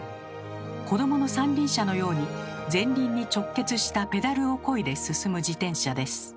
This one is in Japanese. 子どもの三輪車のように前輪に直結したペダルをこいで進む自転車です。